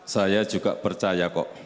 saya juga percaya kok